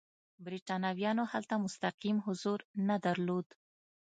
برېټانویانو هلته مستقیم حضور نه درلود.